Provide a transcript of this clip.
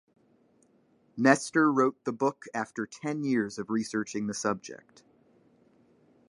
Nestor wrote the book after ten years of researching the subject.